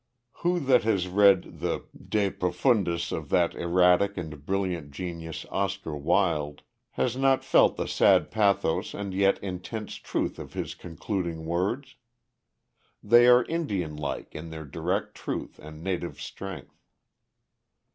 Who that has read the De Profundis of that erratic and brilliant genius, Oscar Wilde, has not felt the sad pathos and yet intense truth of his concluding words? They are Indian like in their direct truth and native strength.